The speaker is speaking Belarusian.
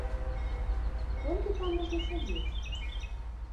Колькі там можна сядзець?